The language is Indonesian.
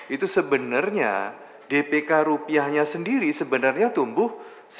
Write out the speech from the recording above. itu sebenarnya dpk rupiahnya sendiri sebenarnya tumbuh